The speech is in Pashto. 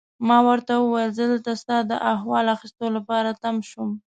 ما ورته وویل: زه دلته ستا د احوال اخیستو لپاره تم شوم.